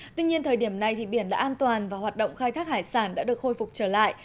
tuy nhiên thời điểm này biển đã an toàn và hoạt động khai thác hải sản đã được khôi phục trở lại